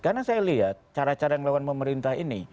karena saya lihat cara cara yang melawan pemerintah ini